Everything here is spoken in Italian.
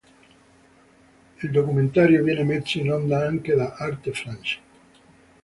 Il documentario viene messo in onda anche da Arte France.